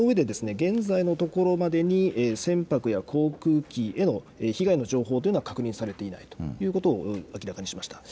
そのうえで現在のところまでに船舶や航空機への被害の情報というのを確認されていないということを明らかにしました。